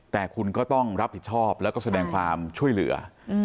แต่คุณก็ต้องรับผิดชอบแล้วก็แสดงความช่วยเหลือ